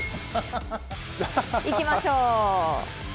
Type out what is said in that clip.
行きましょう。